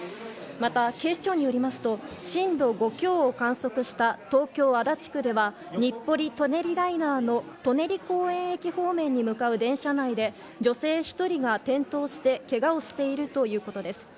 また警視庁によりますと震度５強を観測した東京・足立区では日暮里・舎人ライナーの舎人公園駅方面に向かう電車内で女性１人が転倒してけがをしているということです。